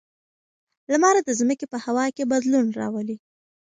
لمر د ځمکې په هوا کې بدلون راولي.